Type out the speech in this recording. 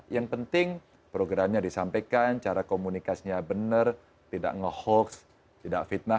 yang penting programnya disampaikan cara komunikasinya benar tidak nge hoax tidak fitnah